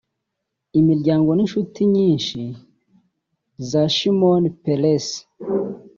imiryango n’inshuti nyinshi za Shimon Peres